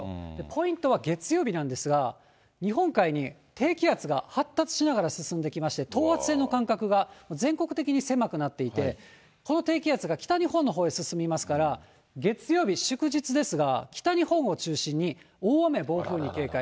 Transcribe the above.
ポイントは月曜日なんですが、日本海に低気圧が発達しながら進んできまして、等圧線の間隔が全国的に狭くなっていて、この低気圧が北日本のほうへ進みますから、月曜日、祝日ですが、北日本を中心に大雨暴風に警戒。